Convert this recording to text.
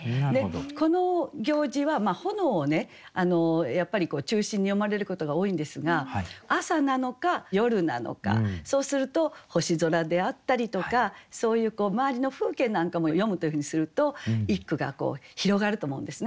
この行事は炎をねやっぱり中心に詠まれることが多いんですが朝なのか夜なのかそうすると星空であったりとかそういう周りの風景なんかも詠むというふうにすると一句が広がると思うんですね。